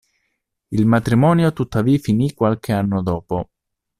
Il matrimonio tuttavia finì qualche anno dopo.